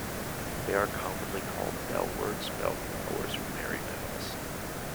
They are commonly called bellworts, bellflowers or merrybells.